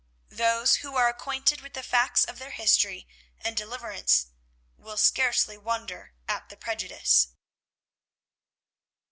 Those who are acquainted with the facts of their history and deliverance will scarcely wonder at the prejudice.